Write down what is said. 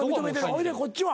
ほいでこっちは？